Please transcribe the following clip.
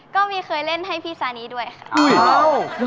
ค่ะก็มีเคยเล่นให้พี่สานิด้วยค่ะ